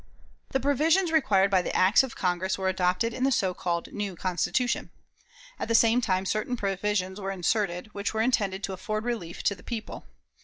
The provisions required by the acts of Congress were adopted in the so called new Constitution. At the same time, certain provisions were inserted, which were intended to afford relief to the people.